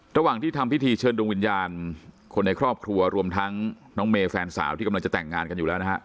ระหว่างที่ทำพิธีเชิญดวงวิญญาณคนในครอบครัวรวมทั้งน้องเมย์แฟนสาวที่กำลังจะแต่งงานกันอยู่แล้วนะฮะ